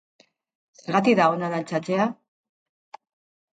Zergatik da ona dantzatzea?